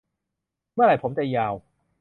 เมื่อไหร่ผมจะยาว